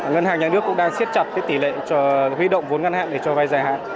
ngân hàng nhà nước cũng đang siết chặt tỷ lệ huy động vốn ngân hạn để cho vay dài hạn